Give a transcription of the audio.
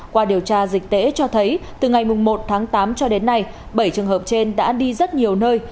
qua điều tra dịch tễ cho thấy từ ngày một tháng tám cho đến nay bảy trường hợp trên đã đi rất nhiều nơi